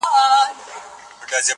د کرنې وسایل پخواني ساده وو.